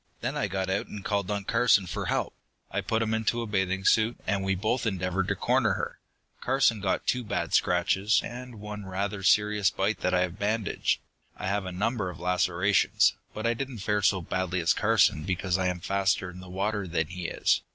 "Then I got out and called on Carson for help. I put him into a bathing suit, and we both endeavored to corner her. Carson got two bad scratches, and one rather serious bite that I have bandaged. I have a number of lacerations, but I didn't fare so badly as Carson because I am faster in the water than he is.